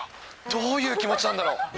どういう気持ちなんだろう。